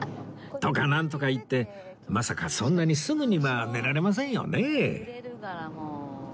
とかなんとか言ってまさかそんなにすぐには寝られませんよねえ